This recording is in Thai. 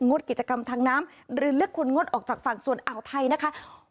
ดกิจกรรมทางน้ำหรือลึกคุณงดออกจากฝั่งส่วนอ่าวไทยนะคะ